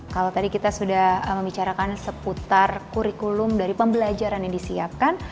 kalau tadi kita sudah membicarakan seputar kurikulum dari pembelajaran yang disiapkan